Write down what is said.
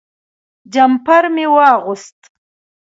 جمپر مې واغوست.